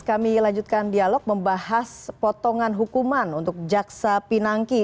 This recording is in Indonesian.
kami lanjutkan dialog membahas potongan hukuman untuk jaksa pinangki